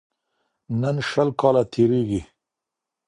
نن شل کاله تیریږي